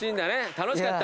楽しかった？